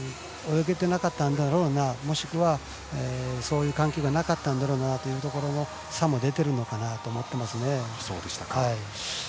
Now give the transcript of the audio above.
コロナ禍でもしっかり泳げている国と、逆に泳げていなかったんだろうなもしくは、そういう環境がなかったんだろうなという国の差も出ているのかなと思っています。